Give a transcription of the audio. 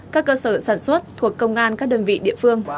các cơ sở sản xuất thuộc công an các đơn vị địa phương